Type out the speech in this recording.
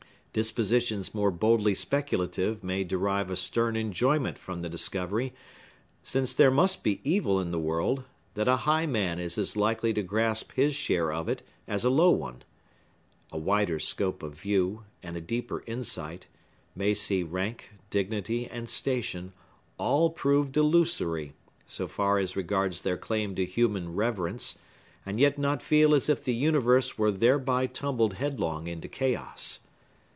Dispositions more boldly speculative may derive a stern enjoyment from the discovery, since there must be evil in the world, that a high man is as likely to grasp his share of it as a low one. A wider scope of view, and a deeper insight, may see rank, dignity, and station, all proved illusory, so far as regards their claim to human reverence, and yet not feel as if the universe were thereby tumbled headlong into chaos.